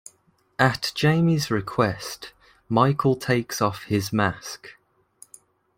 At Jamie's request, Michael takes off his mask.